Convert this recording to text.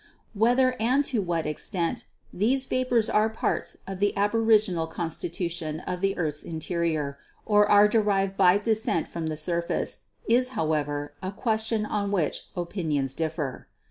Whether and to what extent these vapors are parts of the aboriginal constitution of the earth's interior, or are derived by descent from the surface, is, however, a question on which opinions differ.